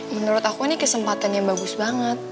menurut aku ini kesempatan yang bagus banget